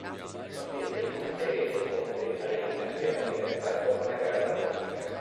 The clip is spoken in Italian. Consiste in una serie di scontri ad eliminazione diretta dopo una gara di qualifica.